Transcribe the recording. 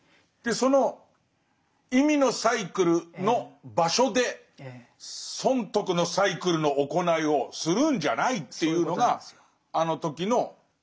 その意味のサイクルの場所で損得のサイクルの行いをするんじゃないっていうのがあの時のイエスの怒り。